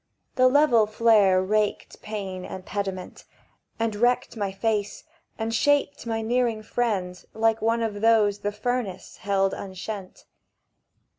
The level flare raked pane and pediment And my wrecked face, and shaped my nearing friend Like one of those the Furnace held unshent.